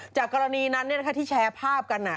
จากกรณีนั้นที่แชร์ภาพกัน